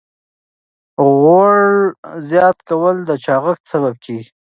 غوړ زیات کول د چاغښت سبب ګرځي.